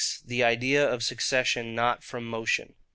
The Idea of Succession not from Motion.